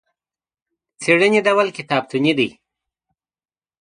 د څېړنې ډول کتابتوني دی.